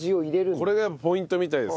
これがポイントみたいです。